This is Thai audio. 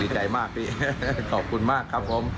ใจมากพี่ขอบคุณมากครับผม